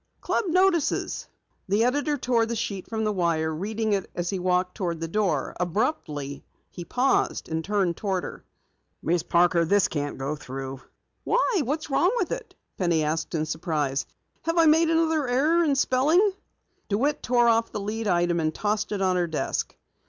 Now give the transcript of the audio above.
"Club notices." The editor tore the sheet from the wire, reading it as he walked toward the door. Abruptly, he paused and turned toward her. "Miss Parker, this can't go through." "Why, what is wrong?" Penny asked in surprise. "Have I made another error in spelling?" DeWitt tore off the lead item and tossed it on her desk.